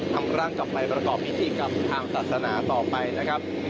นำร่างกลับไปประกอบพิธีกรรมทางศาสนาต่อไปนะครับ